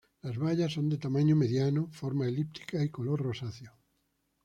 Las bayas son de tamaño mediano, forma elíptica y color rosáceo.